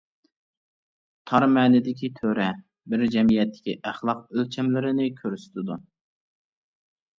تار مەنىدىكى تۆرە، بىر جەمئىيەتتىكى ئەخلاق ئۆلچەملىرىنى كۆرسىتىدۇ.